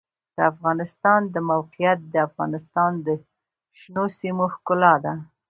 د افغانستان د موقعیت د افغانستان د شنو سیمو ښکلا ده.